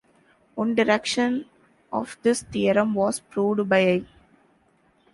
One direction of this theorem was proved by I.